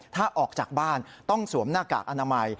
ถ้าออกจากบ้านต้องสวมหน้ากากอนามัย